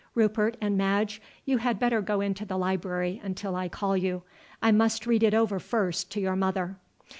"Rupert and Madge, you had better go into the library until I call you. I must read it over first to your mother."